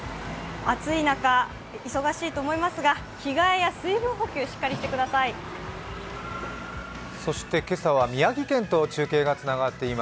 暑い中、忙しいと思いますが、着替えや水分補給しっかりしてください。